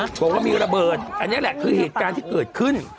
บอกว่ามีระเบิดอันนี้แหละคือเหตุการณ์ที่เกิดขึ้น